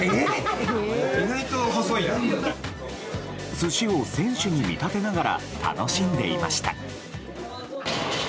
寿司を選手に見立てながら楽しんでいました。